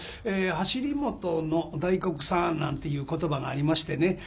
「走り元の大黒さん」なんていう言葉がありましてね。